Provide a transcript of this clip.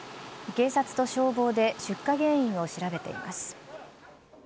警察と消防で出火原因を調べています。